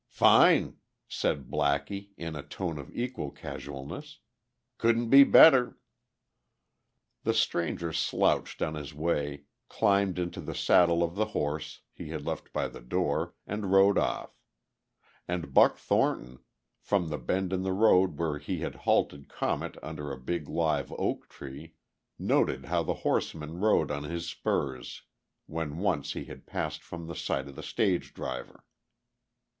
"Fine," said Blackie in a tone of equal casualness. "Couldn't be better." The stranger slouched on his way, climbed into the saddle of the horse he had left by the door, and rode off.... And Buck Thornton, from the bend in the road where he had halted Comet under a big live oak tree, noted how the horseman rode on his spurs when once he had passed from the sight of the stage driver.